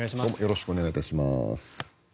よろしくお願いします。